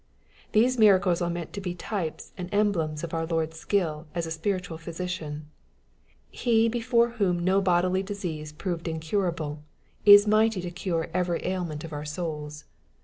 These miracles are meant to be types and emblems of our Lord's skill as a spiritual physician. He before whom no bodily disease proved incurable, is mighty to cure every ailment of our souls.